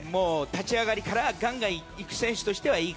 立ち上がりからガンガン行く選手としてはいい